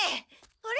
あれ？